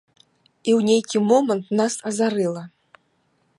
І ў нейкі момант нас азарыла.